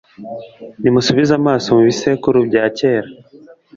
nimusubize amaso mu bisekuru bya kera